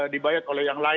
dibayar oleh yang lain